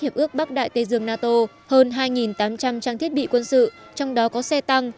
hiệp ước bắc đại tây dương nato hơn hai tám trăm linh trang thiết bị quân sự trong đó có xe tăng